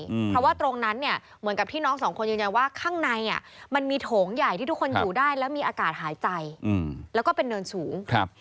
เพราะว่าตรงนั้นเนี่ยเหมือนกับที่น้องสองคนยืนยันว่าข้างในอ่ะมันมีโถงใหญ่ที่ทุกคนอยู่ได้แล้วมีอากาศหายใจอืมแล้วก็เป็นเนินสูงครับ